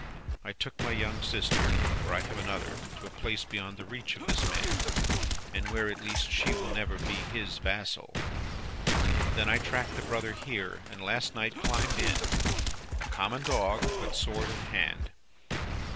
I took my young sister (for I have another) to a place beyond the reach of this man, and where, at least, she will never be his vassal. Then, I tracked the brother here, and last night climbed in a common dog, but sword in hand.